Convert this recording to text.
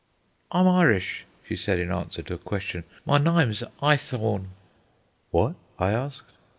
"I'm Irish," she said, in answer to a question. "My nyme's Eyethorne." "What?" I asked.